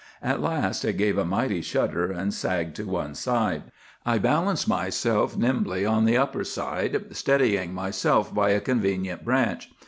At last it gave a mighty shudder and sagged to one side. I balanced myself nimbly on the upper side, steadying myself by a convenient branch.